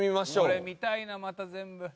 これ見たいなまた全部。